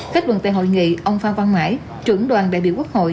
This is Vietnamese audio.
khách luận tại hội nghị ông phan quang mãi trưởng đoàn đại biểu quốc hội